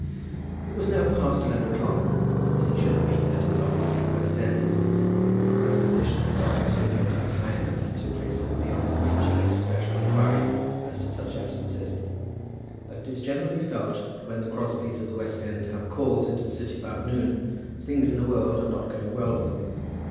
It was now past eleven o'clock, and he should have been at his office at the West End. His position in his office was no doubt high enough to place him beyond the reach of any special inquiry as to such absences; but it is generally felt that when the Crosbies of the West End have calls into the City about noon, things in the world are not going well with them.